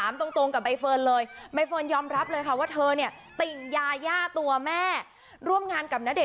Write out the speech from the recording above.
อ่าอ่าพอดูมีความสุขแต่พอดูมีความสุขด้วย